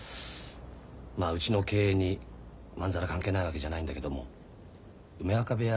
まあうちの経営にまんざら関係ないわけじゃないんだけども梅若部屋